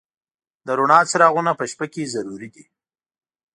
د رڼا څراغونه په شپه کې ضروري دي.